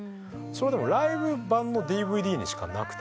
でもライブ盤のＤＶＤにしかなくて音源化。